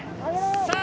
さあ！